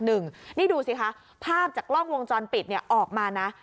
นี่ดูสิคะภาพจากกล้องวงจรปิดออกมานะ